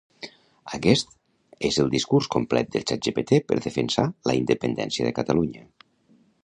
Aquest és el discurs complet del Chat gpt per defensar la independència de Catalunya